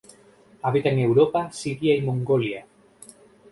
Habita en Europa, Siria y Mongolia.